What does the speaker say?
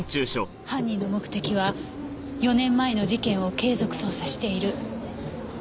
犯人の目的は４年前の事件を継続捜査している課長を陥れる事。